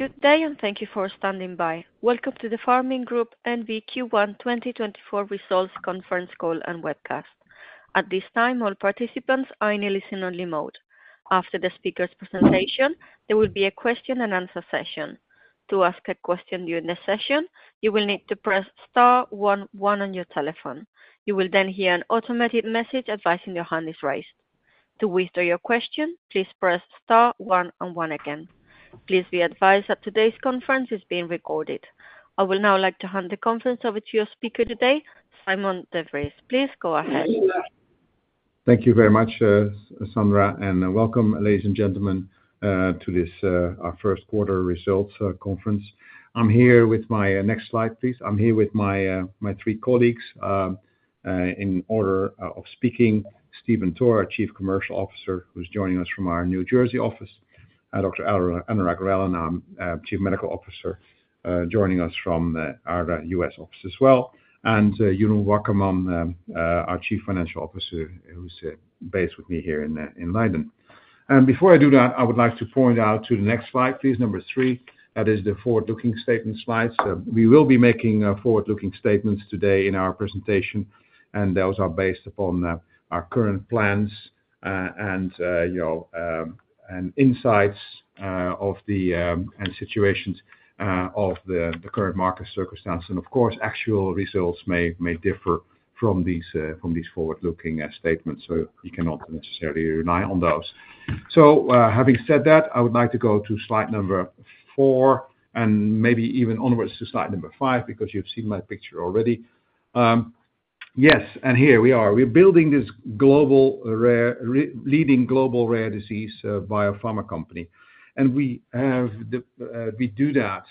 Good day, and thank you for standing by. Welcome to the Pharming Group N.V. Q1 2024 results conference call and webcast. At this time, all participants are in a listen-only mode. After the speaker's presentation, there will be a question and answer session. To ask a question during the session, you will need to press star one one on your telephone. You will then hear an automated message advising your hand is raised. To withdraw your question, please press star one and one again. Please be advised that today's conference is being recorded. I will now like to hand the conference over to your speaker today, Sijmen de Vries. Please go ahead. Thank you very much, Sandra, and welcome, ladies and gentlemen, to this, our first quarter results conference. Next slide, please. I'm here with my three colleagues, in order of speaking, Stephen Toor, our Chief Commercial Officer, who's joining us from our New Jersey office, Dr. Anurag Relan, Chief Medical Officer, joining us from our U.S. office as well, and Jeroen Wakkerman, our Chief Financial Officer, who's based with me here in Leiden. And before I do that, I would like to point out to the next slide, please, number three. That is the forward-looking statement slide. So we will be making forward-looking statements today in our presentation, and those are based upon our current plans, and you know, and insights of the current market circumstance. And of course, actual results may differ from these forward-looking statements, so you cannot necessarily rely on those. So having said that, I would like to go to slide number 4 and maybe even onwards to slide number 5, because you've seen my picture already. Yes, and here we are. We're building this leading global rare disease biopharma company. And we do that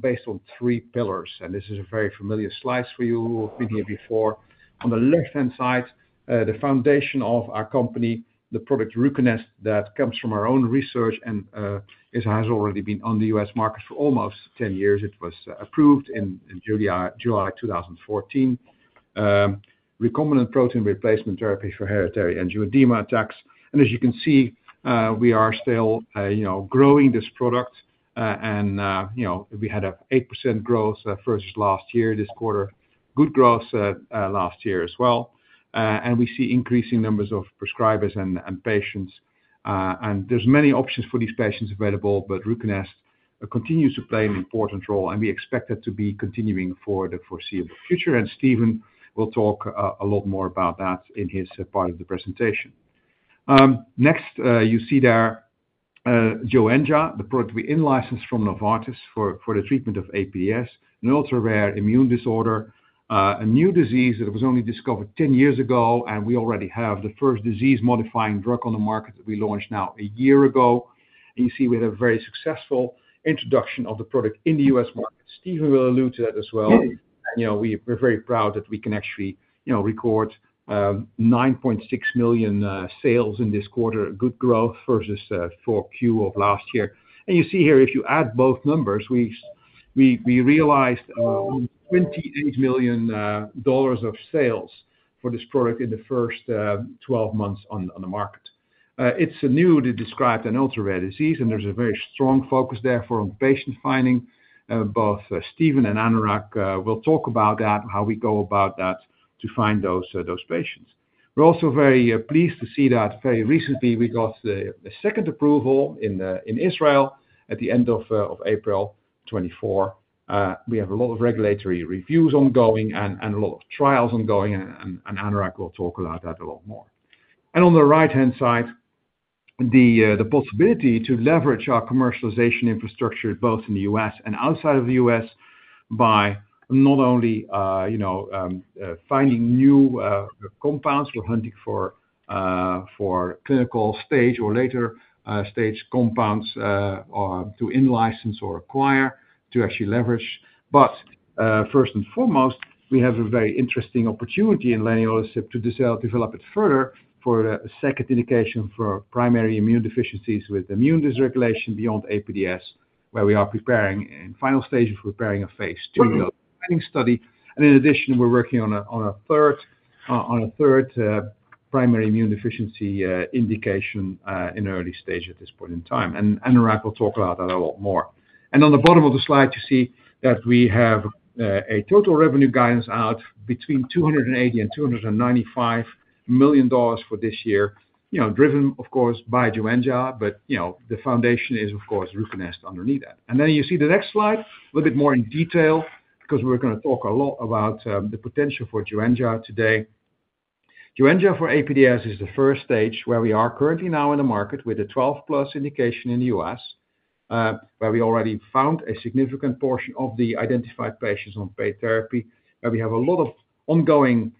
based on three pillars, and this is a very familiar slide for you. We've been here before. On the left-hand side, the foundation of our company, the product Ruconest, that comes from our own research and, it has already been on the U.S. market for almost 10 years. It was approved in July 2014. Recombinant protein replacement therapy for hereditary angioedema attacks. And as you can see, we are still, you know, growing this product, and, you know, we had 8% growth, versus last year, this quarter. Good growth, last year as well. And we see increasing numbers of prescribers and patients, and there's many options for these patients available, but Ruconest continues to play an important role, and we expect it to be continuing for the foreseeable future. And Stephen will talk a lot more about that in his part of the presentation. Next, you see there, Joenja, the product we in-licensed from Novartis for the treatment of APDS, an ultra-rare immune disorder, a new disease that was only discovered 10 years ago, and we already have the first disease-modifying drug on the market that we launched now a year ago. You see, we had a very successful introduction of the product in the U.S. market. Stephen will allude to that as well. You know, we're very proud that we can actually, you know, record $9.6 million sales in this quarter, good growth versus Q4 of last year. You see here, if you add both numbers, we realized $28 million dollars of sales for this product in the first 12 months on the market. It's a newly described and ultra-rare disease, and there's a very strong focus there for patient finding. Both Stephen and Anurag will talk about that, how we go about that to find those patients. We're also very pleased to see that very recently we got the second approval in Israel at the end of April 2024. We have a lot of regulatory reviews ongoing and a lot of trials ongoing, and Anurag will talk about that a lot more. On the right-hand side, the possibility to leverage our commercialization infrastructure, both in the U.S. and outside of the U.S., by not only you know finding new compounds. We're hunting for clinical stage or later stage compounds to in-license or acquire, to actually leverage. First and foremost, we have a very interesting opportunity in leniolisib to develop it further for a second indication for primary immune deficiencies with immune dysregulation beyond APDS, where we are preparing, in final stages, we're preparing a phase II planning study. And in addition, we're working on a third primary immune deficiency indication in early stage at this point in time, and Anurag will talk about that a lot more. And on the bottom of the slide, you see that we have a total revenue guidance out between $280 million and $295 million for this year, you know, driven, of course, by Joenja, but, you know, the foundation is, of course, Ruconest underneath that. And then you see the next slide, a little bit more in detail, because we're gonna talk a lot about the potential for Joenja today. Joenja for APDS is the first stage where we are currently now in the market with a 12-plus indication in the U.S., where we already found a significant portion of the identified patients on paid therapy, where we have a lot of ongoing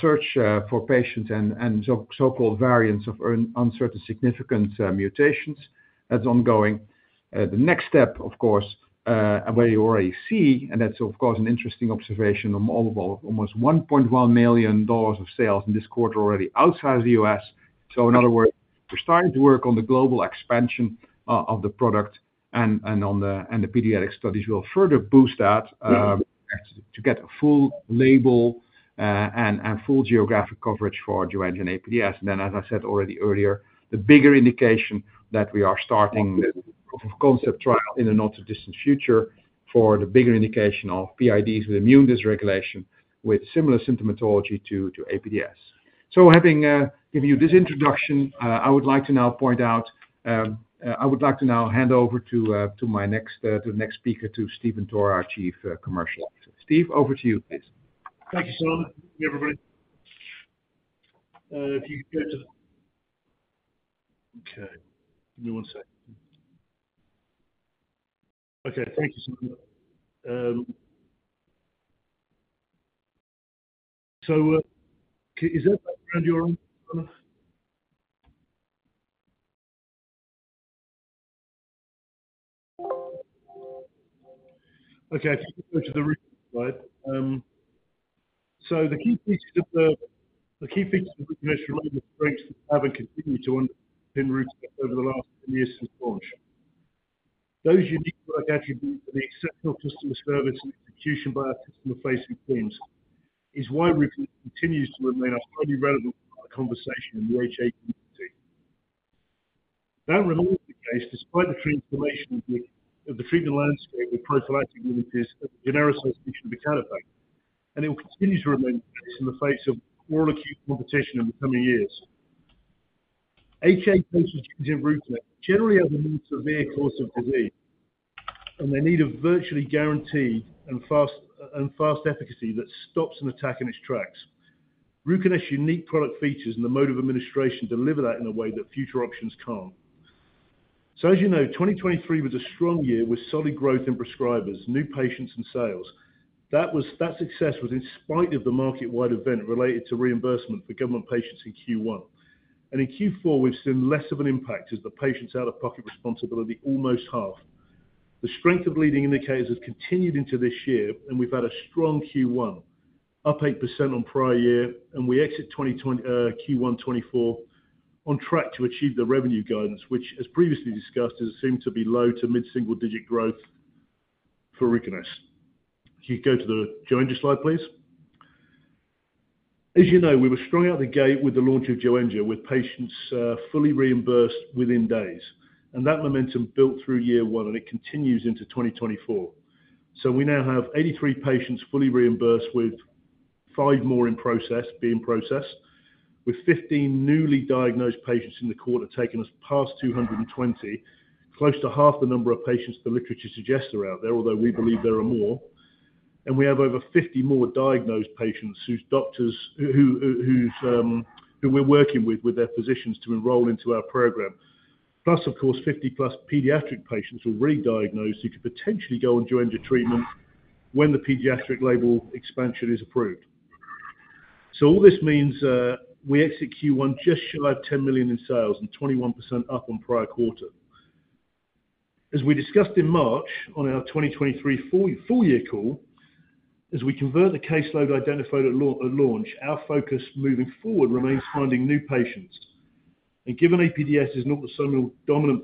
search for patients and so-called variants of uncertain significance mutations that's ongoing. The next step, of course, where you already see, and that's of course, an interesting observation of all of almost $1.1 million of sales in this quarter already outside the U.S. So in other words, we're starting to work on the global expansion of the product and on the pediatric studies will further boost that, to get a full label, and full geographic coverage for Joenja APDS. And then, as I said already earlier, the bigger indication that we are starting the proof of concept trial in the not-too-distant future for the bigger indication of PIDs with immune dysregulation, with similar symptomatology to APDS. So having given you this introduction, I would like to now hand over to the next speaker, to Stephen Toor, our Chief Commercial Officer. Steve, over to you, please. Thank you, Sijmen. Everybody. If you could go to... Okay, give me one second. Okay, thank you, Sijmen. So, is that around your. Okay, I think we go to the right. So the key features of the commercial strength have and continue to underpin Ruconest over the last 10 years since launch. Those unique attributes and the exceptional customer service and execution by our customer-facing teams is why Ruconest continues to remain a highly relevant conversation in the HAE community. That remains the case despite the transformation of the treatment landscape with prophylactic in the genericization of the C1 inhibitor, and it will continue to remain in the face of all acute competition in the coming years. HAE patients in Ruconest generally have a more severe course of disease, and they need a virtually guaranteed and fast efficacy that stops an attack in its tracks. Ruconest's unique product features and the mode of administration deliver that in a way that future options can't. So as you know, 2023 was a strong year with solid growth in prescribers, new patients and sales. That success was in spite of the market-wide event related to reimbursement for government patients in Q1. In Q4, we've seen less of an impact as the patients' out-of-pocket responsibility almost half. The strength of leading indicators has continued into this year, and we've had a strong Q1, up 8% on prior year, and we exit Q1 2024 on track to achieve the revenue guidance, which, as previously discussed, is seem to be low to mid-single digit growth for Ruconest. If you go to the Joenja slide, please. As you know, we were strong out of the gate with the launch of Joenja, with patients fully reimbursed within days, and that momentum built through year one, and it continues into 2024. So we now have 83 patients fully reimbursed, with five more in process, being processed, with 15 newly diagnosed patients in the quarter, taking us past 220, close to half the number of patients the literature suggests are out there, although we believe there are more. We have over 50 more diagnosed patients whose doctors who we're working with their physicians to enroll into our program. Plus, of course, 50+ pediatric patients who are rediagnosed, who could potentially go on Joenja treatment when the pediatric label expansion is approved. All this means, we execute one just shy of $10 million in sales and 21% up on prior quarter. As we discussed in March on our 2023 full year call, as we convert the caseload identified at launch, our focus moving forward remains finding new patients. Given APDS is not the sole dominant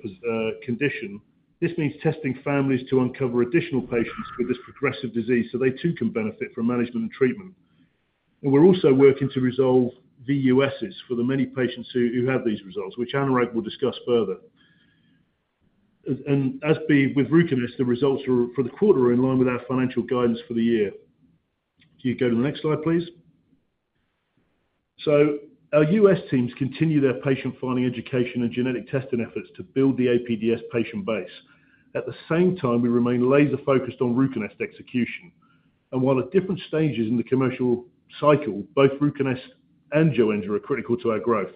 condition, this means testing families to uncover additional patients with this progressive disease so they too can benefit from management and treatment. We're also working to resolve VUS for the many patients who have these results, which Anurag will discuss further. And as with Ruconest, the results for the quarter are in line with our financial guidance for the year. Can you go to the next slide, please? So our U.S. teams continue their patient finding, education, and genetic testing efforts to build the APDS patient base. At the same time, we remain laser-focused on Ruconest execution. And while at different stages in the commercial cycle, both Ruconest and Joenja are critical to our growth.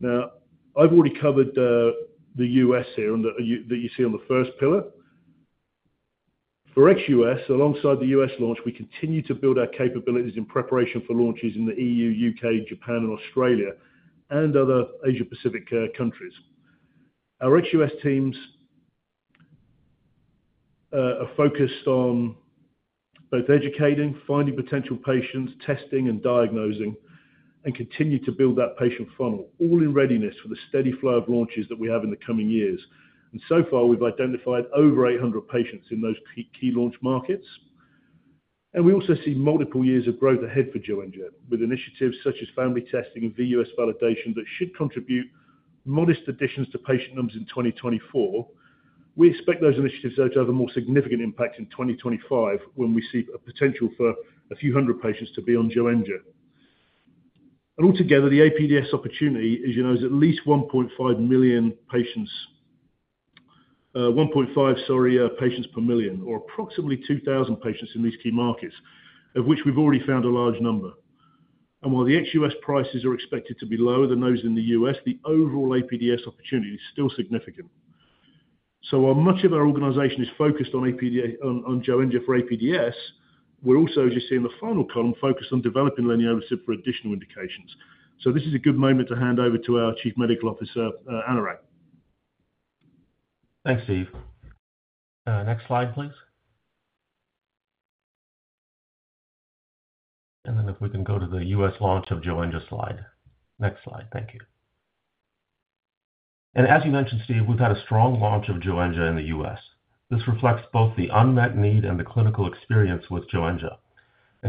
Now, I've already covered the U.S. here, and that you see on the first pillar. For ex U.S., alongside the U.S. launch, we continue to build our capabilities in preparation for launches in the EU, U.K., Japan, and Australia, and other Asia Pacific countries. Our ex-U.S. teams are focused on both educating, finding potential patients, testing and diagnosing, and continue to build that patient funnel, all in readiness for the steady flow of launches that we have in the coming years. So far, we've identified over 800 patients in those key, key launch markets. We also see multiple years of growth ahead for Joenja, with initiatives such as family testing and VUS validation that should contribute modest additions to patient numbers in 2024. We expect those initiatives, though, to have a more significant impact in 2025, when we see a potential for a few hundred patients to be on Joenja. Altogether, the APDS opportunity, as you know, is at least 1.5 million patients. 1.5 patients per million, or approximately 2,000 patients in these key markets, of which we've already found a large number. While the ex-U.S. prices are expected to be lower than those in the U.S., the overall APDS opportunity is still significant. So while much of our organization is focused on Joenja for APDS, we're also, as you see in the final column, focused on developing leniolisib for additional indications. This is a good moment to hand over to our Chief Medical Officer, Anurag. Thanks, Steve. Next slide, please. And then if we can go to the U.S. launch of Joenja slide. Next slide. Thank you. As you mentioned, Steve, we've had a strong launch of Joenja in the U.S. This reflects both the unmet need and the clinical experience with Joenja.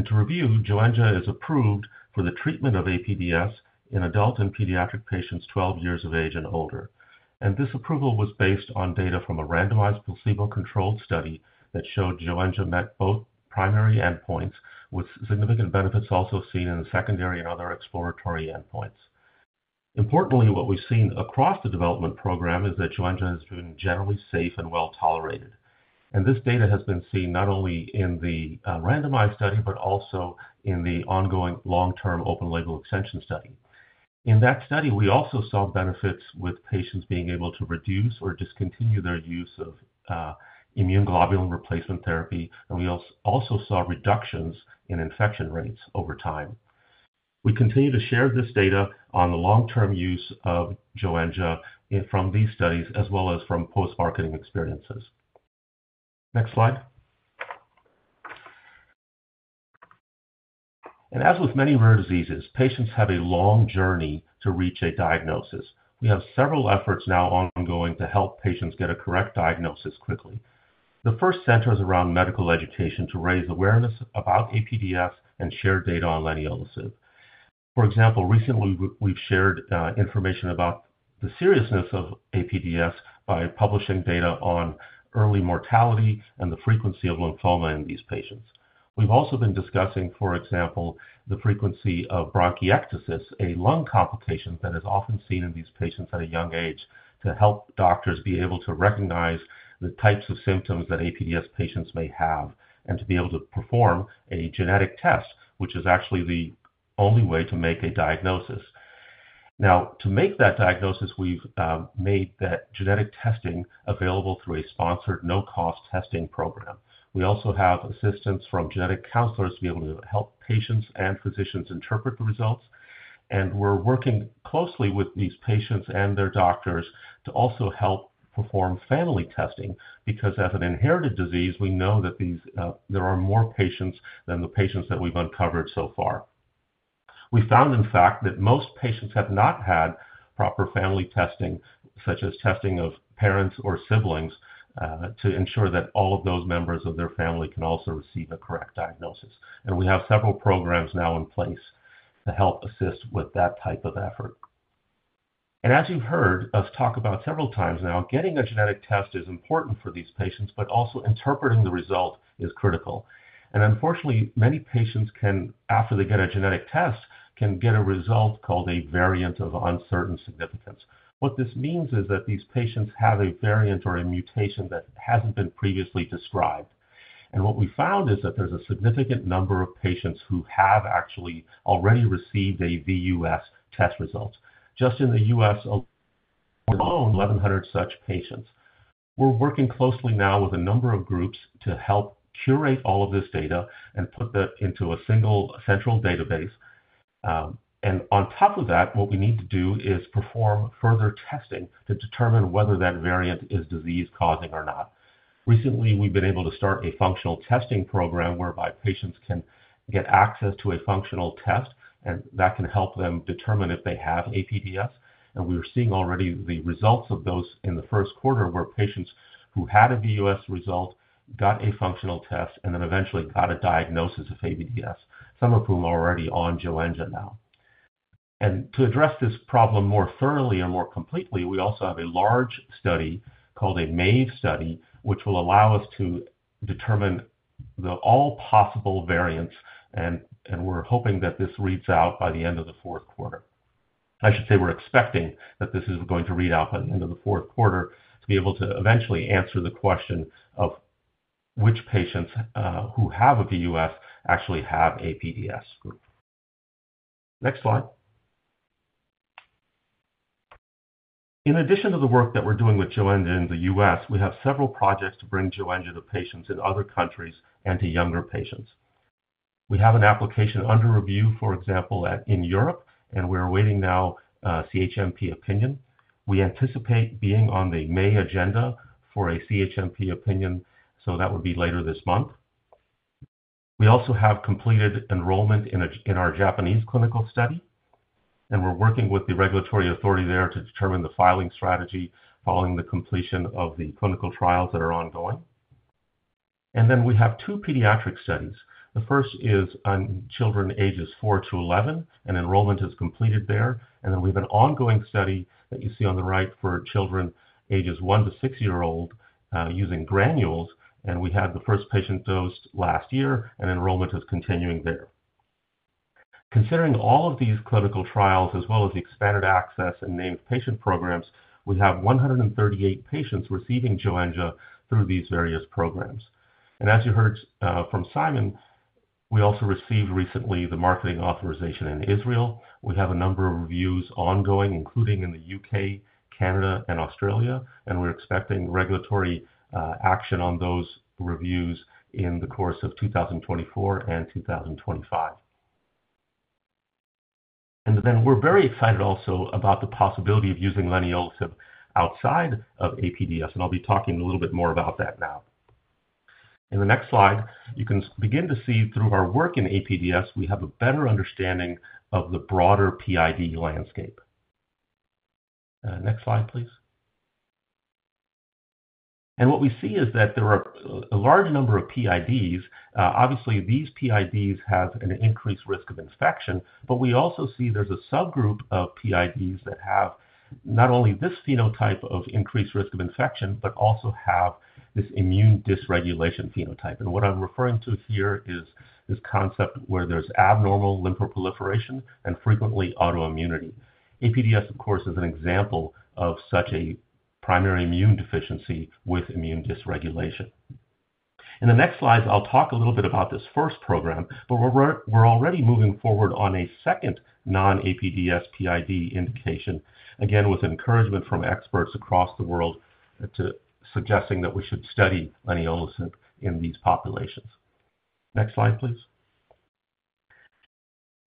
To review, Joenja is approved for the treatment of APDS in adult and pediatric patients 12 years of age and older. This approval was based on data from a randomized placebo-controlled study that showed Joenja met both primary endpoints, with significant benefits also seen in the secondary and other exploratory endpoints. Importantly, what we've seen across the development program is that Joenja has been generally safe and well tolerated, and this data has been seen not only in the randomized study, but also in the ongoing long-term open label extension study. In that study, we also saw benefits with patients being able to reduce or discontinue their use of immune globulin replacement therapy, and we also saw reductions in infection rates over time. We continue to share this data on the long-term use of Joenja from these studies, as well as from post-marketing experiences. Next slide. And as with many rare diseases, patients have a long journey to reach a diagnosis. We have several efforts now ongoing to help patients get a correct diagnosis quickly. The first centers around medical education to raise awareness about APDS and share data on leniolisib. For example, recently we've shared information about the seriousness of APDS by publishing data on early mortality and the frequency of lymphoma in these patients. We've also been discussing, for example, the frequency of bronchiectasis, a lung complication that is often seen in these patients at a young age, to help doctors be able to recognize the types of symptoms that APDS patients may have, and to be able to perform a genetic test, which is actually the only way to make a diagnosis. Now, to make that diagnosis, we've made the genetic testing available through a sponsored no-cost testing program. We also have assistance from genetic counselors to be able to help patients and physicians interpret the results, and we're working closely with these patients and their doctors to also help perform family testing. Because as an inherited disease, we know that these. There are more patients than the patients that we've uncovered so far. We found, in fact, that most patients have not had proper family testing, such as testing of parents or siblings, to ensure that all of those members of their family can also receive a correct diagnosis. And we have several programs now in place to help assist with that type of effort. And as you've heard us talk about several times now, getting a genetic test is important for these patients, but also interpreting the result is critical. And unfortunately, many patients can, after they get a genetic test, can get a result called a variant of uncertain significance. What this means is that these patients have a variant or a mutation that hasn't been previously described. And what we found is that there's a significant number of patients who have actually already received a VUS test result. Just in the U.S., alone, 1,100 such patients. We're working closely now with a number of groups to help curate all of this data and put that into a single central database. And on top of that, what we need to do is perform further testing to determine whether that variant is disease causing or not. Recently, we've been able to start a functional testing program whereby patients can get access to a functional test, and that can help them determine if they have APDS. We are seeing already the results of those in the first quarter, where patients who had a VUS result got a functional test and then eventually got a diagnosis of APDS, some of whom are already on Joenja now. And to address this problem more thoroughly and more completely, we also have a large study called a MAVE study, which will allow us to determine the all possible variants, and we're hoping that this reads out by the end of the fourth quarter. I should say, we're expecting that this is going to read out by the end of the fourth quarter, to be able to eventually answer the question of which patients who have a VUS actually have APDS. Next slide. In addition to the work that we're doing with Joenja in the U.S., we have several projects to bring Joenja to patients in other countries and to younger patients. We have an application under review, for example, in Europe, and we are waiting now CHMP opinion. We anticipate being on the May agenda for a CHMP opinion, so that would be later this month. We also have completed enrollment in our Japanese clinical study, and we're working with the regulatory authority there to determine the filing strategy following the completion of the clinical trials that are ongoing. Then we have two pediatric studies. The first is on children ages 4 to 11, and enrollment is completed there. Then we have an ongoing study that you see on the right for children ages 1 to 6-year-old using granules, and we had the first patient dosed last year and enrollment is continuing there. Considering all of these clinical trials, as well as the expanded access and named patient programs, we have 138 patients receiving Joenja through these various programs. And as you heard from Sijmen, we also received recently the marketing authorization in Israel. We have a number of reviews ongoing, including in the U.K., Canada, and Australia, and we're expecting regulatory action on those reviews in the course of 2024 and 2025. And then we're very excited also about the possibility of using leniolisib outside of APDS, and I'll be talking a little bit more about that now. In the next slide, you can begin to see through our work in APDS, we have a better understanding of the broader PID landscape. Next slide, please. And what we see is that there are a large number of PIDs. Obviously, these PIDs have an increased risk of infection, but we also see there's a subgroup of PIDs that have not only this phenotype of increased risk of infection, but also have this immune dysregulation phenotype. What I'm referring to here is this concept where there's abnormal lymphoproliferation and frequently autoimmunity. APDS, of course, is an example of such a primary immune deficiency with immune dysregulation. In the next slide, I'll talk a little bit about this first program, but we're, we're already moving forward on a second non-APDS PID indication, again, with encouragement from experts across the world, to suggesting that we should study leniolisib in these populations. Next slide, please.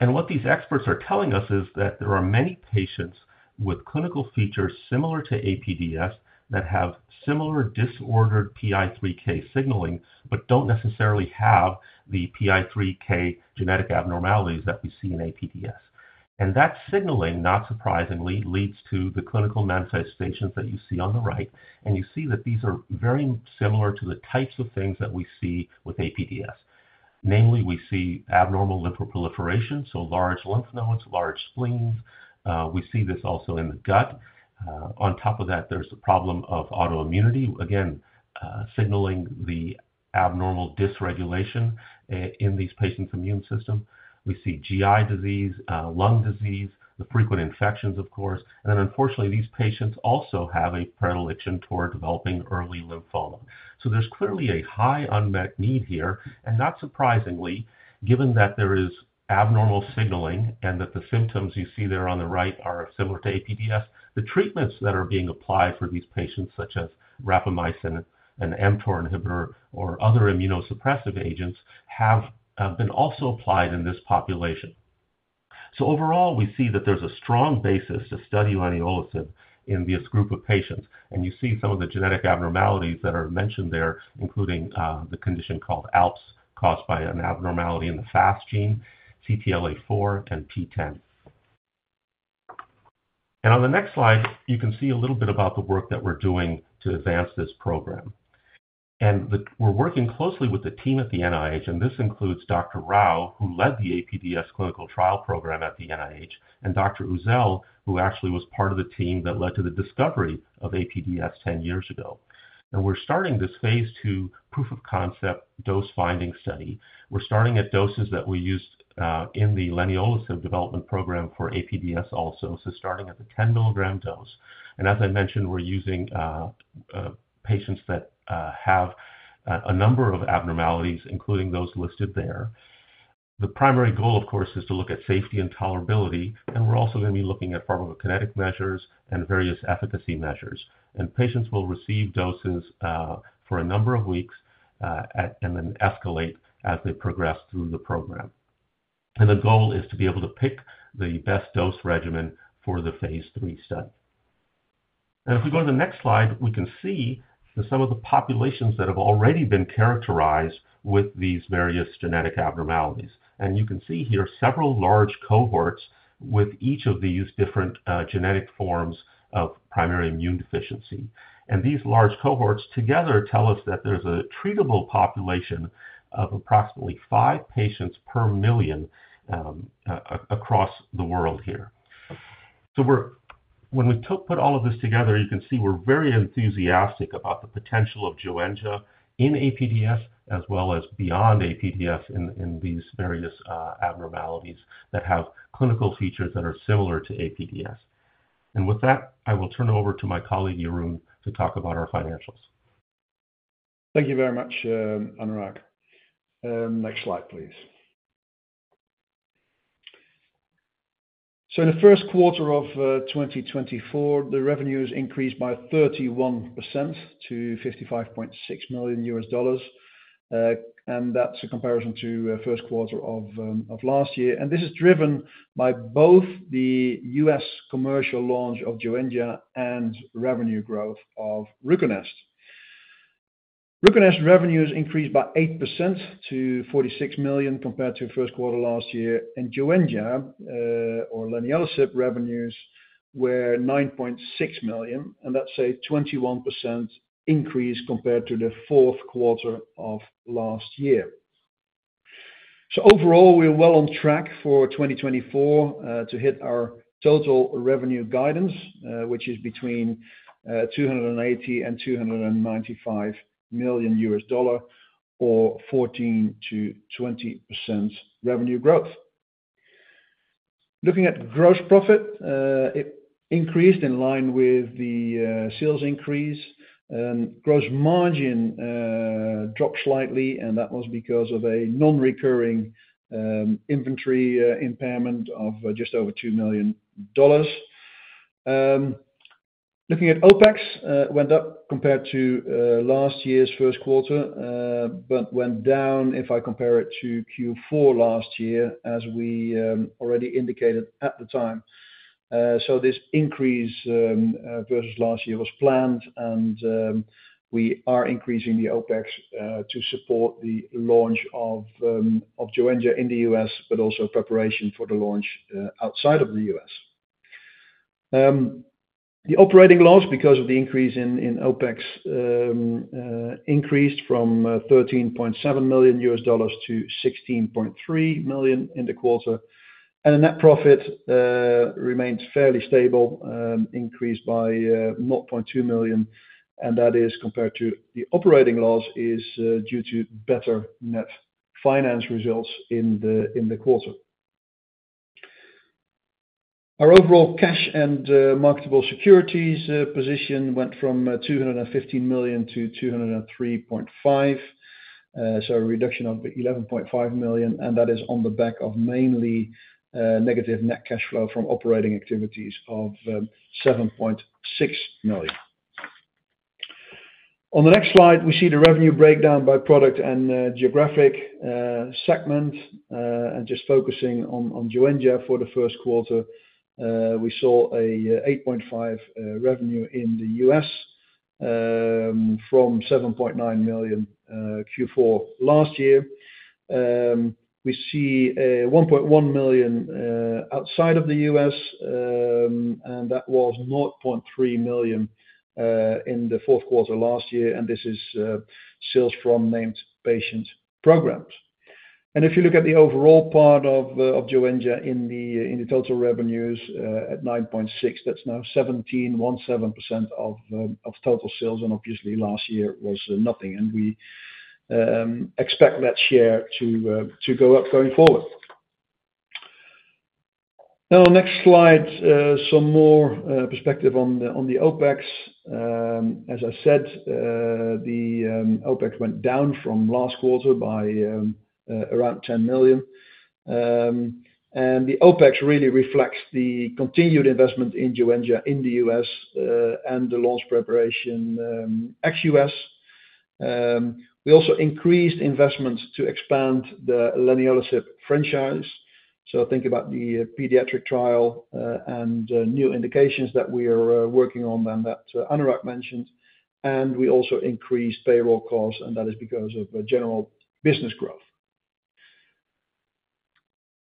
What these experts are telling us is that there are many patients with clinical features similar to APDS, that have similar disordered PI3K signaling, but don't necessarily have the PI3K genetic abnormalities that we see in APDS. That signaling, not surprisingly, leads to the clinical manifestations that you see on the right, and you see that these are very similar to the types of things that we see with APDS. Namely, we see abnormal lymphoproliferation, so large lymph nodes, large spleens. We see this also in the gut. On top of that, there's a problem of autoimmunity, again, signaling the abnormal dysregulation in these patients' immune system. We see GI disease, lung disease, the frequent infections, of course, and then unfortunately, these patients also have a predilection toward developing early lymphoma. So there's clearly a high unmet need here, and not surprisingly, given that there is abnormal signaling and that the symptoms you see there on the right are similar to APDS, the treatments that are being applied for these patients, such as rapamycin, an mTOR inhibitor, or other immunosuppressive agents, have been also applied in this population. So overall, we see that there's a strong basis to study leniolisib in this group of patients, and you see some of the genetic abnormalities that are mentioned there, including the condition called ALPS, caused by an abnormality in the FAS gene, CTLA-4, and PTEN. And on the next slide, you can see a little bit about the work that we're doing to advance this program. We're working closely with the team at the NIH, and this includes Dr. Rao, who led the APDS clinical trial program at the NIH, and Dr. Uzel, who actually was part of the team that led to the discovery of APDS 10 years ago. We're starting this phase II proof of concept, dose-finding study. We're starting at doses that we used in the leniolisib development program for APDS also, so starting at the 10 mg dose. As I mentioned, we're using patients that have a number of abnormalities, including those listed there. The primary goal, of course, is to look at safety and tolerability, and we're also going to be looking at pharmacokinetic measures and various efficacy measures. Patients will receive doses for a number of weeks and then escalate as they progress through the program. The goal is to be able to pick the best dose regimen for the phase III study. If we go to the next slide, we can see that some of the populations that have already been characterized with these various genetic abnormalities. You can see here several large cohorts with each of these different genetic forms of primary immune deficiency. These large cohorts together tell us that there's a treatable population of approximately 5 patients per million across the world here. So, when we put all of this together, you can see we're very enthusiastic about the potential of Joenja in APDS, as well as beyond APDS in these various abnormalities that have clinical features that are similar to APDS. With that, I will turn it over to my colleague, Jeroen, to talk about our financials. Thank you very much, Anurag. Next slide, please. In the first quarter of 2024, the revenues increased by 31% to $55.6 million, and that's a comparison to first quarter of last year. This is driven by both the U.S. commercial launch of Joenja and revenue growth of Ruconest. Ruconest revenues increased by 8% to $46 million compared to first quarter last year, and Joenja, or leniolisib revenues were $9.6 million, and that's a 21% increase compared to the fourth quarter of last year. Overall, we are well on track for 2024 to hit our total revenue guidance, which is between $280 million and $295 million or 14%-20% revenue growth. Looking at gross profit, it increased in line with the sales increase and gross margin dropped slightly, and that was because of a non-recurring inventory impairment of just over $2 million. Looking at OpEx, it went up compared to last year's first quarter, but went down if I compare it to Q4 last year, as we already indicated at the time. So this increase versus last year was planned, and we are increasing the OpEx to support the launch of Joenja in the U.S., but also preparation for the launch outside of the U.S. The operating loss, because of the increase in OpEx, increased from $13.7 million to $16.3 million in the quarter. The net profit remained fairly stable, increased by $0.2 million, and that is compared to the operating loss is due to better net finance results in the quarter. Our overall cash and marketable securities position went from $215 million-$203.5 million, so a reduction of $11.5 million, and that is on the back of mainly negative net cash flow from operating activities of $7.6 million. On the next slide, we see the revenue breakdown by product and geographic segment. Just focusing on Joenja for the first quarter, we saw $8.5 million revenue in the U.S. from $7.9 million Q4 last year. We see $1.1 million outside of the U.S., and that was $0.3 million in the fourth quarter last year, and this is sales from named patient programs. If you look at the overall part of Joenja in the total revenues at $9.6 million, that's now 17.17% of total sales, and obviously last year was nothing. We expect that share to go up going forward. Now, next slide, some more perspective on the OpEx. As I said, the OpEx went down from last quarter by around $10 million. The OpEx really reflects the continued investment in Joenja in the U.S., and the launch preparation ex-U.S. We also increased investments to expand the leniolisib franchise. So think about the pediatric trial, and new indications that we are working on and that Anurag mentioned, and we also increased payroll costs, and that is because of a general business growth.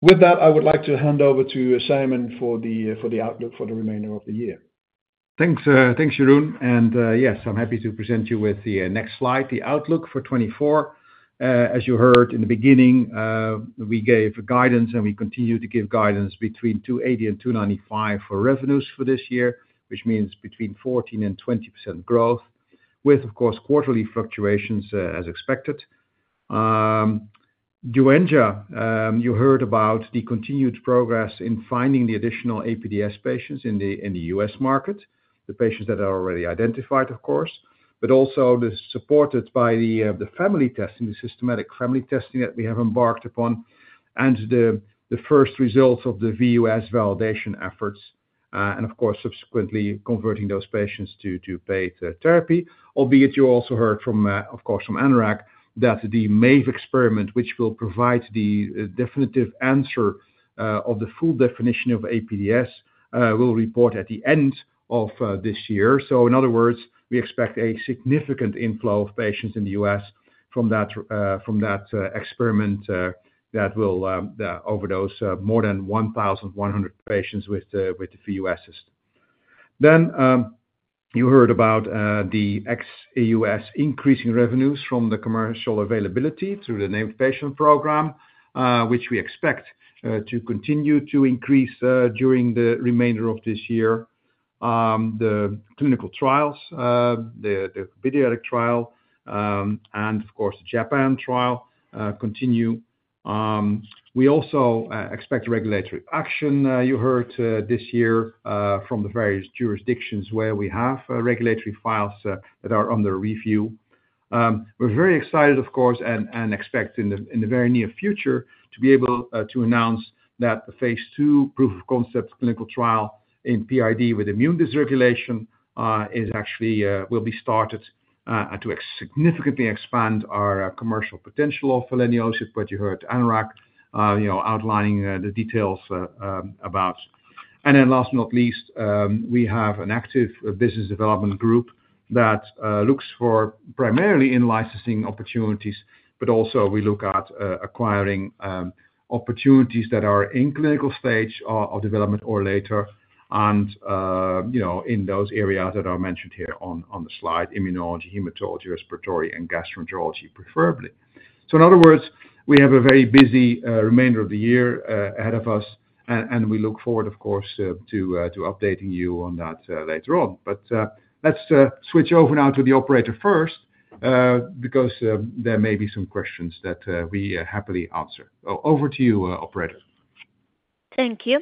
With that, I would like to hand over to Sijmen for the outlook for the remainder of the year. Thanks, thanks, Jeroen. And yes, I'm happy to present you with the next slide, the outlook for 2024. As you heard in the beginning, we gave guidance, and we continue to give guidance between $280 and $295 for revenues for this year, which means between 14% and 20% growth, with, of course, quarterly fluctuations, as expected. Joenja, you heard about the continued progress in finding the additional APDS patients in the U.S. market, the patients that are already identified, of course, but also this is supported by the family testing, the systematic family testing that we have embarked upon, and the first results of the VUS validation efforts, and of course, subsequently converting those patients to paid therapy. Albeit, you also heard from, of course, from Anurag, that the MAVE experiment, which will provide the definitive answer of the full definition of APDS, will report at the end of this year. So in other words, we expect a significant inflow of patients in the U.S. from that experiment that will address more than 1,100 patients with VUS. Then, you heard about the ex-U.S. increasing revenues from the commercial availability through the named patient program, which we expect to continue to increase during the remainder of this year. The clinical trials, the pediatric trial, and of course, the Japan trial continue. We also expect regulatory action, you heard, this year from the various jurisdictions where we have regulatory files that are under review. We're very excited, of course, and expect in the very near future to be able to announce that the phase II proof of concept clinical trial in PID with immune dysregulation is actually will be started to significantly expand our commercial potential of leniolisib, what you heard Anurag you know outlining the details about. And then last but not least, we have an active, business development group that looks for primarily in-licensing opportunities, but also we look at, acquiring, opportunities that are in clinical stage of development or later, and, you know, in those areas that are mentioned here on the slide: immunology, hematology, respiratory, and gastroenterology, preferably. So in other words, we have a very busy, remainder of the year, ahead of us, and we look forward, of course, to updating you on that, later on. But, let's, switch over now to the operator first, because, there may be some questions that, we happily answer. Over to you, operator. Thank you.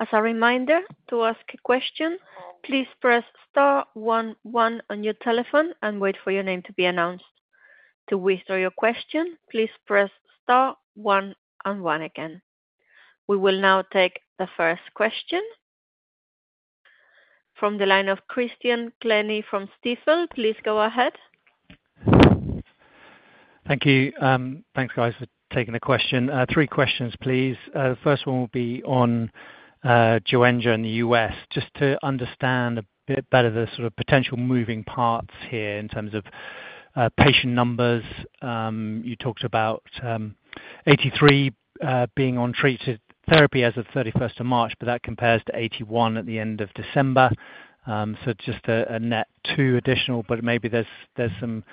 As a reminder, to ask a question, please press star one one on your telephone and wait for your name to be announced. To withdraw your question, please press star one and one again. We will now take the first question. From the line of Christian Glennie from Stifel. Please go ahead. Thank you. Thanks guys, for taking the question. Three questions, please. The first one will be on Joenja in the U.S., just to understand a bit better the sort of potential moving parts here in terms of patient numbers. You talked about 83 being on treated therapy as of 31st of March, but that compares to 81 at the end of December. So just a net 2 additional, but maybe there's some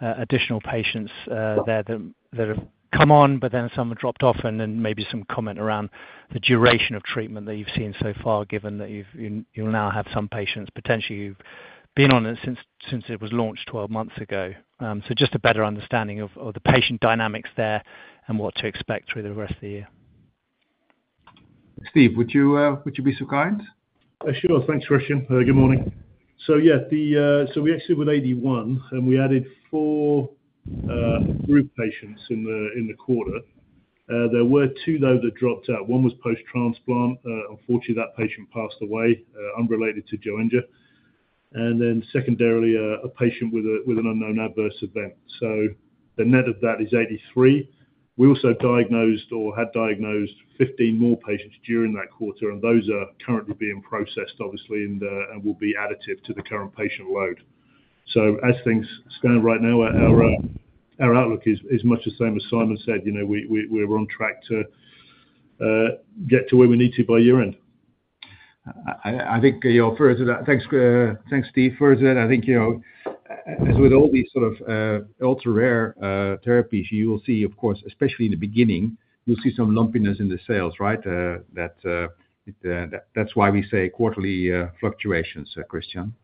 additional patients there that have come on, but then some have dropped off, and then maybe some comment around the duration of treatment that you've seen so far, given that you now have some patients, potentially, who've been on it since it was launched 12 months ago. Just a better understanding of the patient dynamics there and what to expect through the rest of the year. Steve, would you, would you be so kind? Sure. Thanks, Christian. Good morning. So yeah, the... So we actually with 81, and we added four group patients in the, in the quarter. There were two, though, that dropped out. One was post-transplant. Unfortunately, that patient passed away, unrelated to Joenja. And then secondarily, a patient with an unknown adverse event. So the net of that is 83. We also diagnosed or had diagnosed 15 more patients during that quarter, and those are currently being processed, obviously, and will be additive to the current patient load. So as things stand right now, our outlook is much the same as Sijmen said. You know, we, we're on track to get to where we need to by year end. I think, you know, first of that. Thanks, thanks, Steve. First, then, I think, you know, as with all these sort of ultra-rare therapies, you will see, of course, especially in the beginning, you'll see some lumpiness in the sales, right? That, that's why we say quarterly fluctuations, Christian.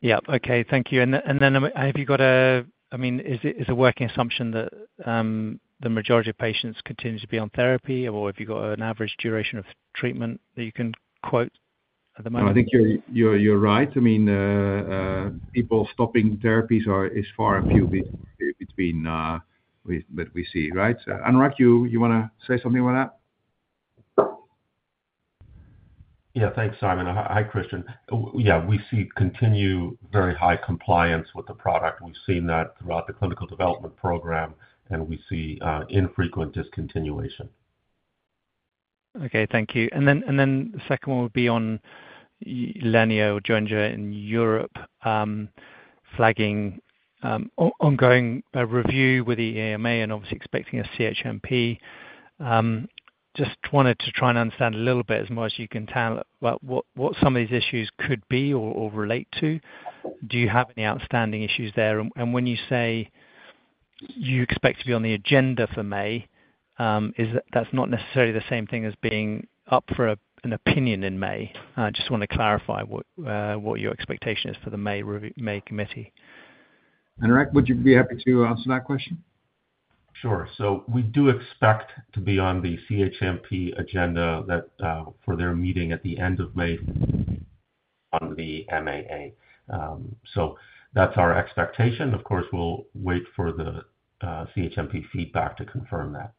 Yeah. Okay. Thank you. And then, have you got a—I mean, is it a working assumption that the majority of patients continue to be on therapy, or if you've got an average duration of treatment that you can quote at the moment? I think you're right. I mean, people stopping therapies are far and few between that we see, right? So Anurag, you wanna say something about that? Yeah, thanks, Sijmen. Hi, Christian. Yeah, we see continued very high compliance with the product. We've seen that throughout the clinical development program, and we see infrequent discontinuation. Okay. Thank you. And then, and then the second one will be on leniolisib or Joenja in Europe, flagging ongoing review with the EMA and obviously expecting a CHMP. Just wanted to try and understand a little bit, as much as you can tell, about what, what some of these issues could be or, or relate to. Do you have any outstanding issues there? And, and when you say you expect to be on the agenda for May, is that, that's not necessarily the same thing as being up for a, an opinion in May? I just want to clarify what, what your expectation is for the May committee. Anurag, would you be happy to answer that question? Sure. So we do expect to be on the CHMP agenda that for their meeting at the end of May on the MAA. So that's our expectation. Of course, we'll wait for the CHMP feedback to confirm that.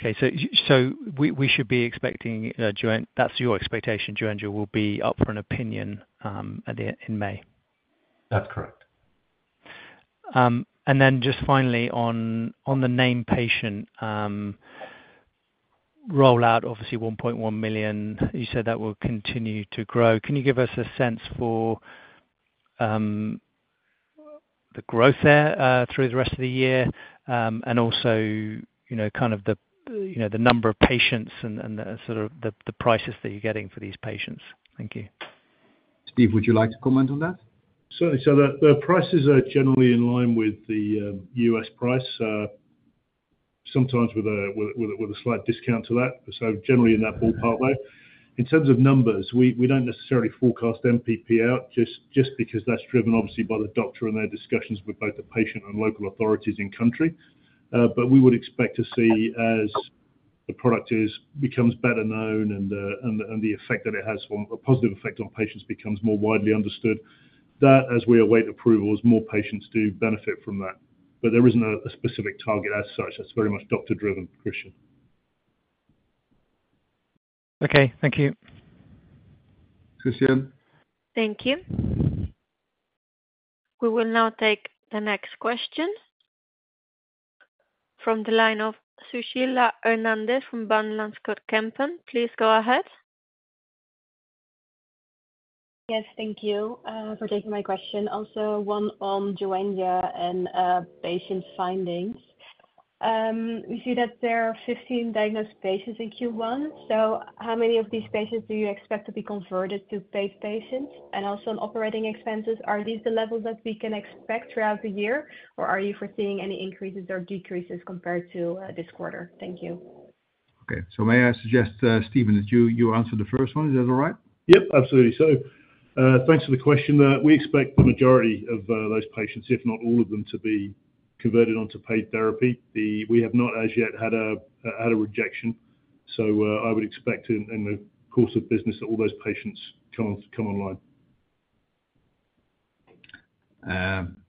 Okay, so we should be expecting... That's your expectation, Joenja will be up for an opinion at the end, in May? That's correct. Then just finally on the named patient rollout, obviously $1.1 million, you said that will continue to grow. Can you give us a sense for the growth there through the rest of the year, and also, you know, kind of the, you know, the number of patients and, and the sort of the, the prices that you're getting for these patients? Thank you. Steve, would you like to comment on that? Certainly. So the prices are generally in line with the U.S. price, sometimes with a slight discount to that, so generally in that ballpark range. In terms of numbers, we don't necessarily forecast NPP out, just because that's driven obviously by the doctor and their discussions with both the patient and local authorities in country. But we would expect to see as the product becomes better known and the effect that it has on a positive effect on patients becomes more widely understood, that as we await approvals, more patients do benefit from that. But there isn't a specific target as such. That's very much doctor-driven, Christian. Okay. Thank you. Christian? Thank you. We will now take the next question from the line of Suzanne van Voorthuizen from Van Lanschot Kempen. Please go ahead. Yes, thank you, for taking my question, also one on Joenja and, patient findings. We see that there are 15 diagnosed patients in Q1, so how many of these patients do you expect to be converted to paid patients? And also, on operating expenses, are these the levels that we can expect throughout the year, or are you foreseeing any increases or decreases compared to, this quarter? Thank you. Okay. So may I suggest, Stephen, that you answer the first one? Is that all right? Yep, absolutely. So, thanks for the question. We expect the majority of those patients, if not all of them, to be converted onto paid therapy. We have not as yet had a rejection, so I would expect in the course of business that all those patients come online.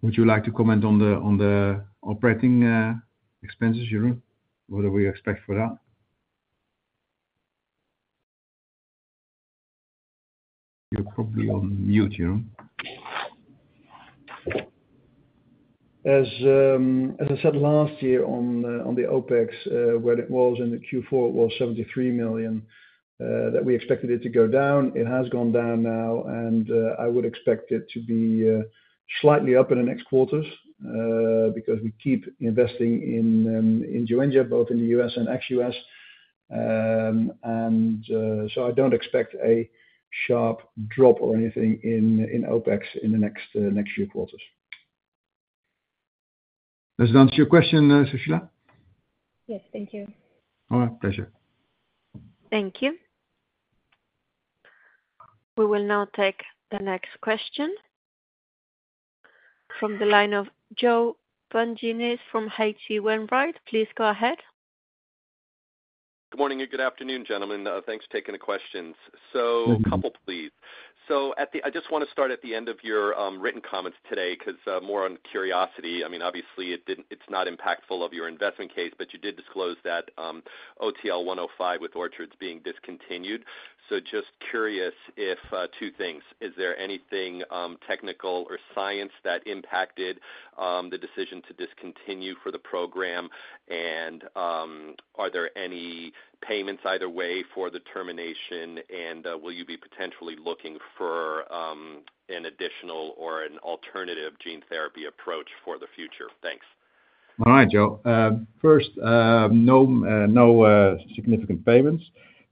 Would you like to comment on the operating expenses, Jeroen? What do we expect for that? You're probably on mute, Jeroen. As I said last year on the OpEx, when it was in the Q4, it was 73 million that we expected it to go down. It has gone down now, and I would expect it to be slightly up in the next quarters because we keep investing in Joenja, both in the U.S. and ex-U.S. And so I don't expect a sharp drop or anything in OpEx in the next few quarters. Does that answer your question, Suzanne? Yes. Thank you. All right. Pleasure. Thank you. We will now take the next question from the line of Joe Pantginis from H.C. Wainwright. Please go ahead. Good morning and good afternoon, gentlemen. Thanks for taking the questions. So- Mm-hmm. A couple, please. So at the... I just wanna start at the end of your written comments today, 'cause, more on curiosity, I mean, obviously, it's not impactful of your investment case, but you did disclose that, OTL-105 with Orchard being discontinued. So just curious if, two things: Is there anything, technical or science that impacted, the decision to discontinue for the program? And, are there any payments either way for the termination, and, will you be potentially looking for, an additional or an alternative gene therapy approach for the future? Thanks. All right, Joe. First, no significant payments.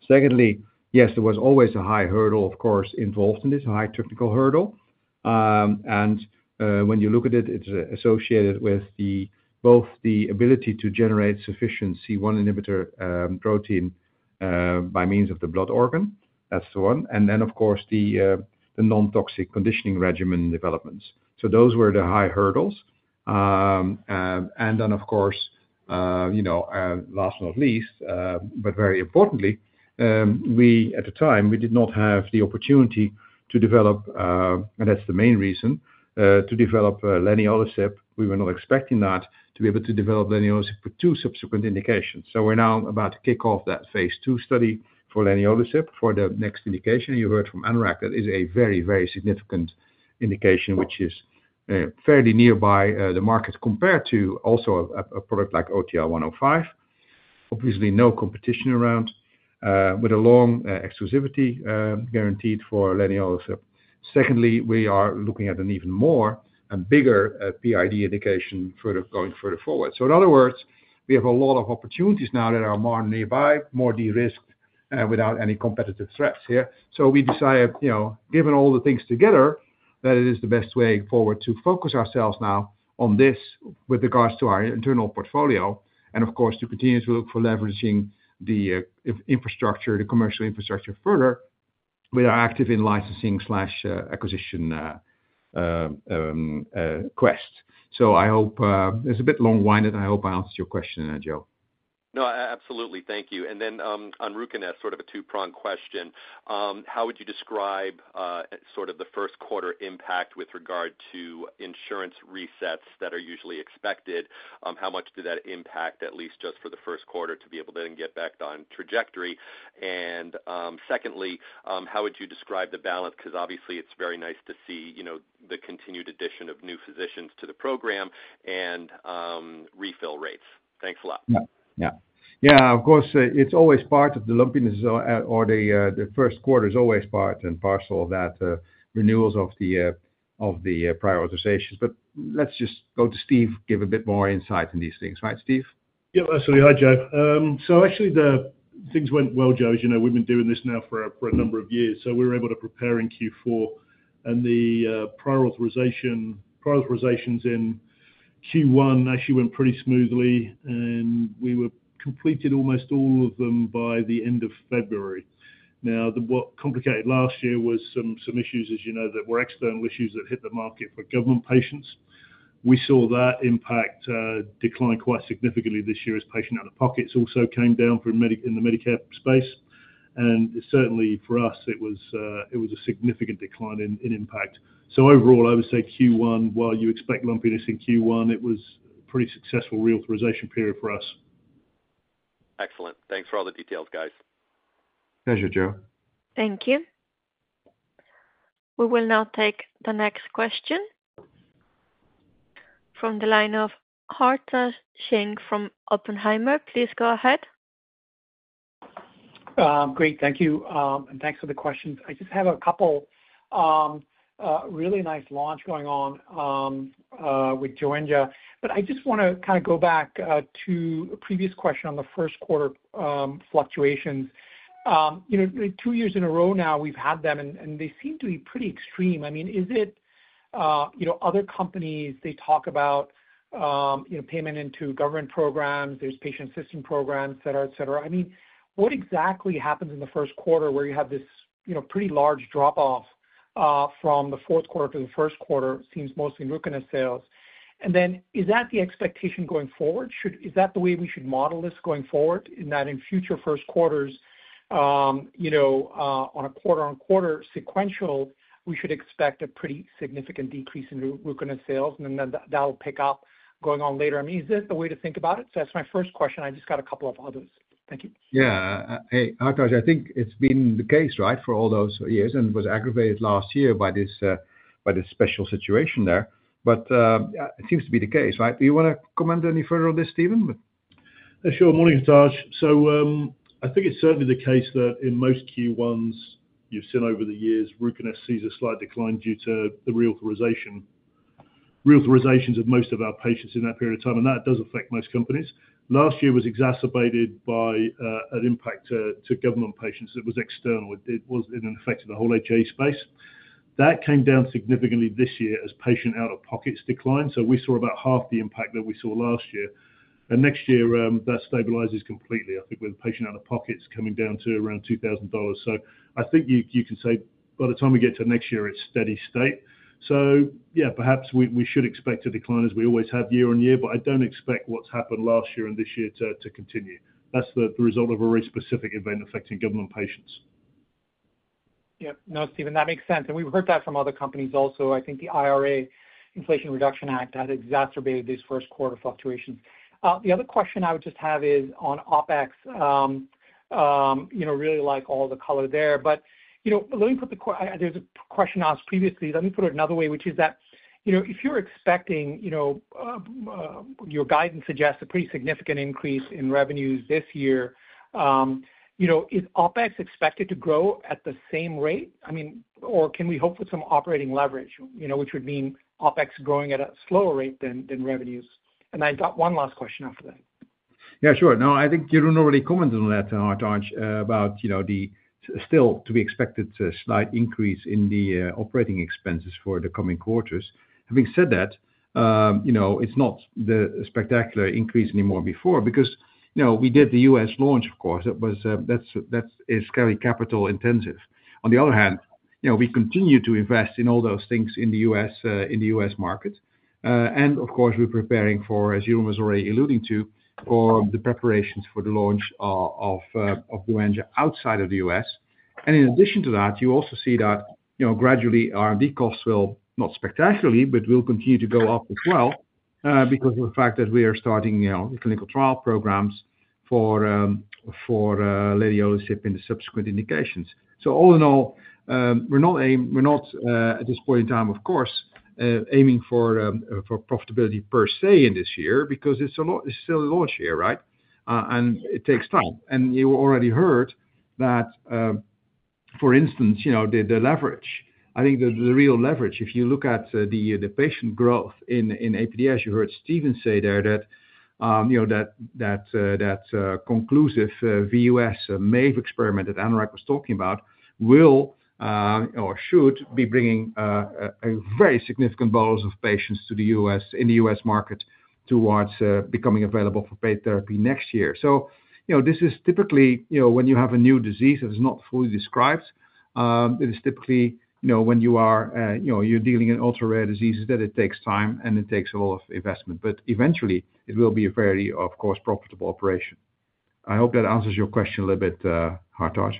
Secondly, yes, there was always a high hurdle, of course, involved in this, a high technical hurdle. When you look at it, it's associated with both the ability to generate sufficient C1 inhibitor protein by means of the blood organ. That's one. And then, of course, the non-toxic conditioning regimen developments. So those were the high hurdles. And then, of course, you know, last but not least, but very importantly, we, at the time, we did not have the opportunity to develop, and that's the main reason, to develop leniolisib. We were not expecting that, to be able to develop leniolisib for 2 subsequent indications. So we're now about to kick off that phase II study for leniolisib. For the next indication, you heard from Anurag, that is a very, very significant indication, which is fairly nearby the market, compared to also a product like OTL-105. Obviously, no competition around with a long exclusivity guaranteed for leniolisib. Secondly, we are looking at an even more and bigger PID indication further going further forward. So in other words, we have a lot of opportunities now that are more nearby, more de-risked without any competitive threats here. So we decided, you know, given all the things together, that it is the best way forward to focus ourselves now on this with regards to our internal portfolio, and of course, to continue to look for leveraging the infrastructure, the commercial infrastructure further with our active in-licensing/acquisition quest. So I hope... It's a bit long-winded, and I hope I answered your question there, Joe. No, absolutely. Thank you. And then, on Ruconest, sort of a two-pronged question. How would you describe, sort of the first quarter impact with regard to insurance resets that are usually expected? How much did that impact, at least just for the first quarter, to be able to then get back on trajectory? And, secondly, how would you describe the balance? Because obviously, it's very nice to see, you know, the continued addition of new physicians to the program and, refill rates. Thanks a lot. Yeah, yeah. Yeah, of course, it's always part of the lumpiness, or the first quarter is always part and parcel of that, renewals of the prior authorizations. But let's just go to Steve, give a bit more insight on these things. Right, Steve? Yeah, absolutely. Hi, Joe. So actually, the things went well, Joe. As you know, we've been doing this now for a number of years, so we were able to prepare in Q4. And the prior authorization, prior authorizations in Q1 actually went pretty smoothly, and we were completed almost all of them by the end of February. Now, what complicated last year was some issues, as you know, that were external issues that hit the market for government patients. We saw that impact decline quite significantly this year, as patient out-of-pockets also came down from Medicaid in the Medicare space. And certainly, for us, it was a significant decline in impact. So overall, I would say Q1, while you expect lumpiness in Q1, it was pretty successful reauthorization period for us. Excellent. Thanks for all the details, guys. Pleasure, Joe. Thank you. We will now take the next question from the line of Hartaj Singh from Oppenheimer. Please go ahead. Great. Thank you, and thanks for the questions. I just have a couple. A really nice launch going on with Joenja, but I just wanna kind of go back to a previous question on the first quarter fluctuations. You know, two years in a row now, we've had them, and they seem to be pretty extreme. I mean, is it, you know, other companies, they talk about, you know, payment into government programs, there's patient assistance programs, et cetera, et cetera. I mean, what exactly happens in the first quarter where you have this, you know, pretty large drop-off from the fourth quarter to the first quarter? It seems mostly Ruconest sales. And then, is that the expectation going forward? Is that the way we should model this going forward, in that in future first quarters, you know, on a quarter-on-quarter sequential, we should expect a pretty significant decrease in Ruconest sales, and then that, that will pick up going on later. I mean, is this the way to think about it? So that's my first question. I just got a couple of others. Thank you. Yeah. Hey, Hartaj, I think it's been the case, right, for all those years, and was aggravated last year by this, by this special situation there... but, yeah, it seems to be the case, right? Do you wanna comment any further on this, Stephen? Sure. Morning, Hartaj. So, I think it's certainly the case that in most Q1s you've seen over the years, Ruconest sees a slight decline due to the reauthorizations of most of our patients in that period of time, and that does affect most companies. Last year was exacerbated by an impact to government patients. It was external. It affected the whole HA space. That came down significantly this year as patient out-of-pockets declined, so we saw about half the impact that we saw last year. And next year, that stabilizes completely, I think, with patient out-of-pockets coming down to around $2,000. So I think you can say by the time we get to next year, it's steady state. Yeah, perhaps we should expect a decline as we always have year-over-year, but I don't expect what's happened last year and this year to continue. That's the result of a very specific event affecting government patients. Yep. No, Stephen, that makes sense, and we've heard that from other companies also. I think the IRA, Inflation Reduction Act, had exacerbated these first quarter fluctuations. The other question I would just have is on OpEx. You know, really like all the color there. But, you know, let me put the question, there's a question asked previously. Let me put it another way, which is that, you know, if you're expecting, you know, your guidance suggests a pretty significant increase in revenues this year, you know, is OpEx expected to grow at the same rate? I mean, or can we hope for some operating leverage, you know, which would mean OpEx growing at a slower rate than revenues. And I've got one last question after that. Yeah, sure. No, I think Jeroen already commented on that, Hartaj, about, you know, the still to be expected slight increase in the operating expenses for the coming quarters. Having said that, you know, it's not the spectacular increase anymore before because, you know, we did the U.S. launch, of course. It was... That is very capital intensive. On the other hand, you know, we continue to invest in all those things in the U.S., in the U.S. market. And of course, we're preparing for, as Jeroen was already alluding to, for the preparations for the launch of Joenja outside of the U.S. In addition to that, you also see that, you know, gradually, our R&D costs will, not spectacularly, but will continue to go up as well, because of the fact that we are starting, you know, the clinical trial programs for leniolisib in the subsequent indications. So all in all, we're not aiming for profitability per se in this year because it's still a launch year, right? And it takes time. And you already heard that, for instance, you know, the leverage, I think the real leverage, if you look at the patient growth in APDS, you heard Stephen say there that, you know, that conclusive the U.S. MAVE experiment that Anurag was talking about, will or should be bringing a very significant volumes of patients to the U.S., in the U.S. market towards becoming available for paid therapy next year. So, you know, this is typically, you know, when you have a new disease that is not fully described, it is typically, you know, when you are, you know, you're dealing in ultra-rare diseases, that it takes time, and it takes a lot of investment. But eventually, it will be a very, of course, profitable operation. I hope that answers your question a little bit, Hartaj.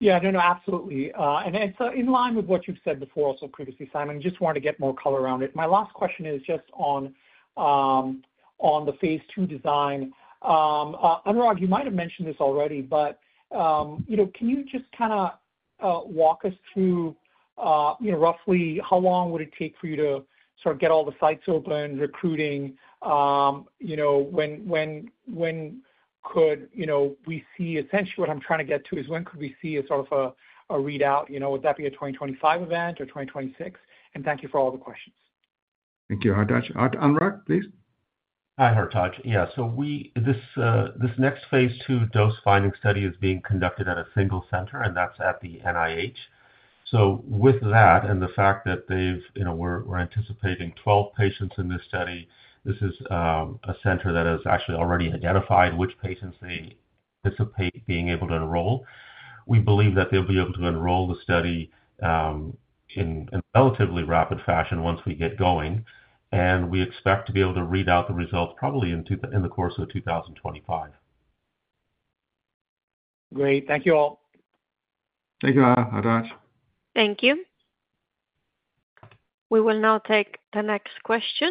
Yeah, no, no, absolutely. And then, so in line with what you've said before, also previously, Sijmen, just wanted to get more color around it. My last question is just on the phase II design. Anurag, you might have mentioned this already, but you know, can you just kinda walk us through you know, roughly how long would it take for you to sort of get all the sites open, recruiting? You know, when could we see... Essentially, what I'm trying to get to is when could we see a sort of a readout? You know, would that be a 2025 event or 2026? And thank you for all the questions. Thank you, Hartaj. Anurag, please. Hi, Hartaj. Yeah, so this next phase II dose finding study is being conducted at a single center, and that's at the NIH. So with that and the fact that they've, you know, we're anticipating 12 patients in this study, this is a center that has actually already identified which patients they anticipate being able to enroll. We believe that they'll be able to enroll the study in relatively rapid fashion once we get going, and we expect to be able to read out the results probably in the course of 2025. Great. Thank you all. Thank you, Hartaj. Thank you. We will now take the next question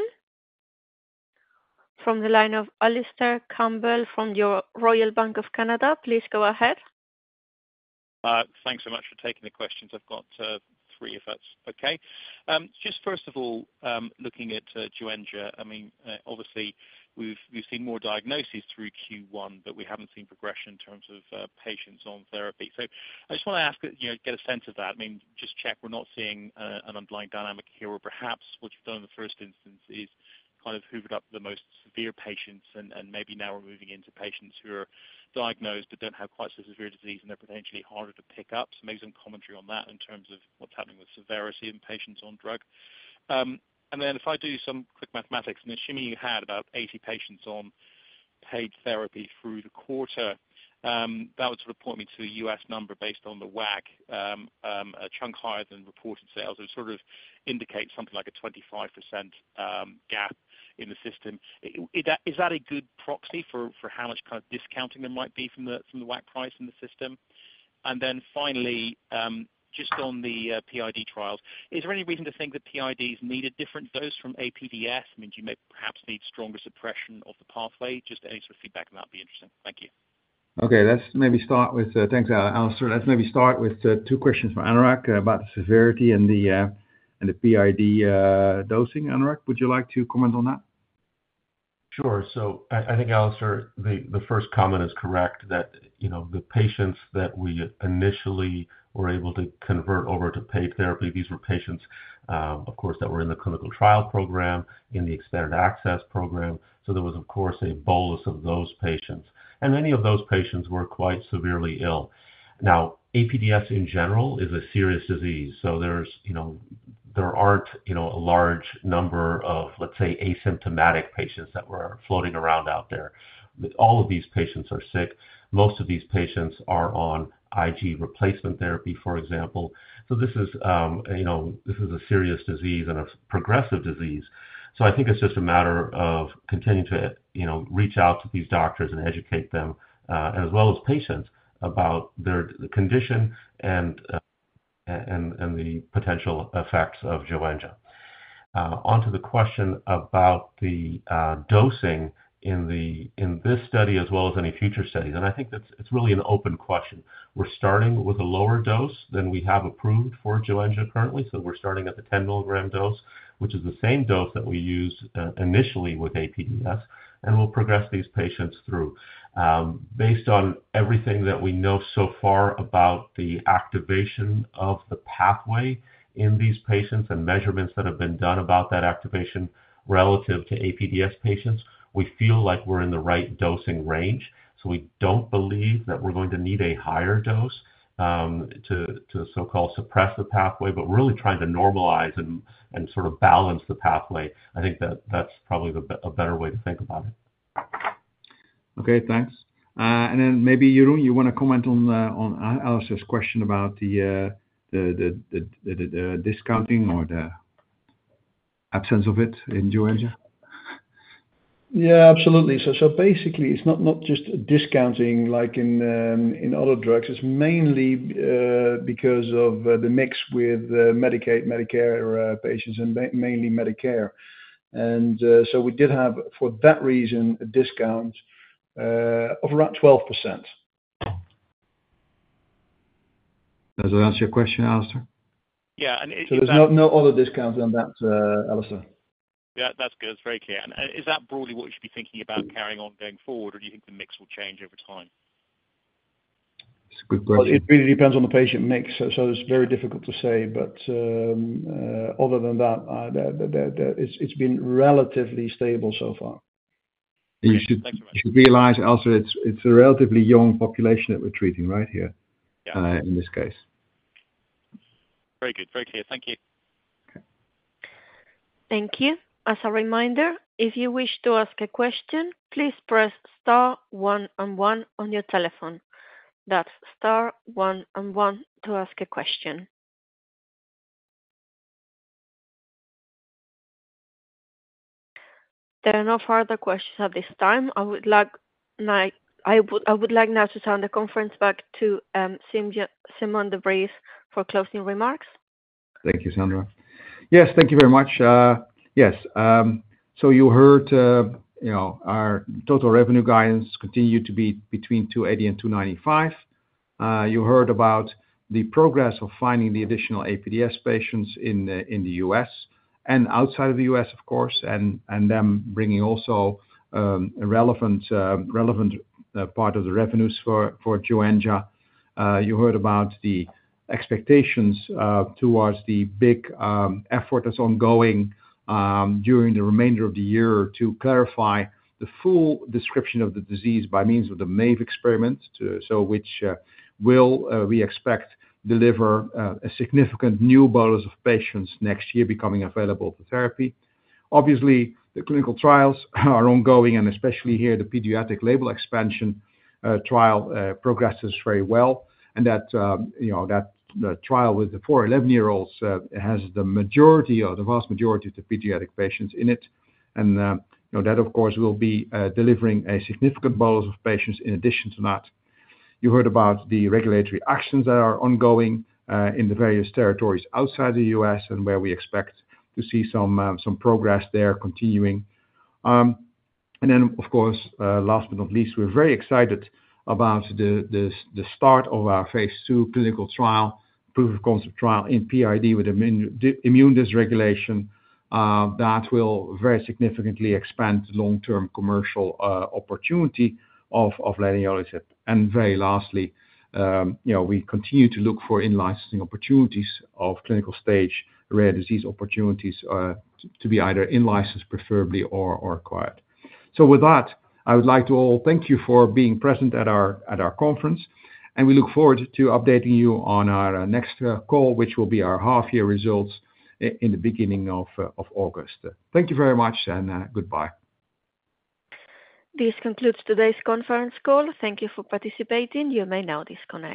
from the line of Alistair Campbell from RBC Capital Markets. Please go ahead. Thanks so much for taking the questions. I've got three, if that's okay. Just first of all, looking at Joenja, I mean, obviously, we've, we've seen more diagnoses through Q1, but we haven't seen progression in terms of patients on therapy. So I just want to ask, you know, get a sense of that. I mean, just check we're not seeing an underlying dynamic here, or perhaps what you've done in the first instance is kind of hoovered up the most severe patients and, and maybe now we're moving into patients who are diagnosed but don't have quite so severe disease, and they're potentially harder to pick up. So maybe some commentary on that in terms of what's happening with severity in patients on drug. And then if I do some quick mathematics and assuming you had about 80 patients on paid therapy through the quarter, that would sort of point me to a U.S. number based on the WAC, a chunk higher than reported sales. It sort of indicates something like a 25% gap in the system. Is that, is that a good proxy for, for how much kind of discounting there might be from the, from the WAC price in the system? And then finally, just on the PID trials, is there any reason to think that PIDs need a different dose from APDS? I mean, do you maybe perhaps need stronger suppression of the pathway? Just any sort of feedback on that would be interesting. Thank you. Okay, let's maybe start with, thanks, Alistair. Let's maybe start with, two questions for Anurag about the severity and the, and the PID, dosing. Anurag, would you like to comment on that? Sure. So I think, Alistair, the first comment is correct, that, you know, the patients that we initially were able to convert over to paid therapy, these were patients, of course, that were in the clinical trial program, in the expanded access program, so there was, of course, a bolus of those patients. And many of those patients were quite severely ill. Now, APDS, in general, is a serious disease, so there's, you know, there aren't, you know, a large number of, let's say, asymptomatic patients that were floating around out there. But all of these patients are sick. Most of these patients are on IG replacement therapy, for example. So this is, you know, this is a serious disease and a progressive disease. So I think it's just a matter of continuing to, you know, reach out to these doctors and educate them, as well as patients, about their condition and the potential effects of Joenja. Onto the question about the dosing in this study as well as any future studies, and I think that's... It's really an open question. We're starting with a lower dose than we have approved for Joenja currently, so we're starting at the 10 mg dose, which is the same dose that we used initially with APDS, and we'll progress these patients through. Based on everything that we know so far about the activation of the pathway in these patients and measurements that have been done about that activation relative to APDS patients, we feel like we're in the right dosing range, so we don't believe that we're going to need a higher dose to so-called suppress the pathway, but we're really trying to normalize and sort of balance the pathway. I think that's probably a better way to think about it. Okay, thanks. And then maybe, Jeroen, you wanna comment on Alistair's question about the discounting or the absence of it in Joenja? Yeah, absolutely. So, basically, it's not just discounting like in other drugs. It's mainly because of the mix with Medicaid, Medicare patients and mainly Medicare. And so we did have, for that reason, a discount of around 12%. Does that answer your question, Alistair? Yeah, and it- So there's no, no other discount on that, Alistair. Yeah, that's good. That's very clear. And, and is that broadly what we should be thinking about carrying on going forward, or do you think the mix will change over time? It's a good question. Well, it really depends on the patient mix, so it's very difficult to say. But, it's been relatively stable so far. Great. Thank you very much. You should realize, Alistair, it's a relatively young population that we're treating, right here- Yeah... in this case. Very good. Very clear. Thank you. Okay. Thank you. As a reminder, if you wish to ask a question, please press star one and one on your telephone. That's star one and one to ask a question. There are no further questions at this time. I would like now to turn the conference back to Sijmen de Vries for closing remarks. Thank you, Sandra. Yes, thank you very much. Yes, so you heard, you know, our total revenue guidance continued to be between 280 million and 295 million. You heard about the progress of finding the additional APDS patients in the U.S. and outside of the U.S., of course, and them bringing also a relevant part of the revenues for Joenja. You heard about the expectations towards the big effort that's ongoing during the remainder of the year to clarify the full description of the disease by means of the MAVE experiment to... So which will we expect deliver a significant new bolus of patients next year becoming available for therapy. Obviously, the clinical trials are ongoing, and especially here, the pediatric label expansion trial progresses very well, and that, you know, that, the trial with the 4 11-year-olds has the majority or the vast majority of the pediatric patients in it, and, you know, that, of course, will be delivering a significant bolus of patients. In addition to that, you heard about the regulatory actions that are ongoing in the various territories outside the U.S. and where we expect to see some, some progress there continuing. And then, of course, last but not least, we're very excited about the start of our phase II clinical trial, proof of concept trial in PID with immune dysregulation, that will very significantly expand long-term commercial opportunity of leniolisib. Very lastly, you know, we continue to look for in-licensing opportunities of clinical-stage, rare disease opportunities, to be either in-licensed preferably or acquired. So with that, I would like to all thank you for being present at our conference, and we look forward to updating you on our next call, which will be our half-year results in the beginning of August. Thank you very much, and goodbye. This concludes today's conference call. Thank you for participating. You may now disconnect.